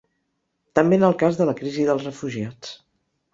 També en el cas de la crisi dels refugiats.